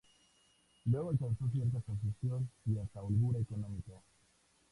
Luego alcanzó cierta posición y hasta holgura económica.